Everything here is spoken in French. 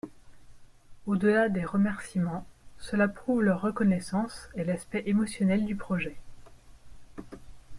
Au-delà des remerciements, cela prouve leur reconnaissance et l'aspect émotionnel du projet.